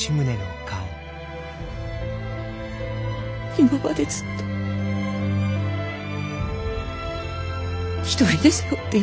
今までずっと一人で背負っていてくれたのじゃな。